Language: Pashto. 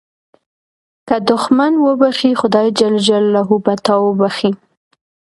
که دوښمن وبخښې، خدای جل جلاله به تا وبخښي.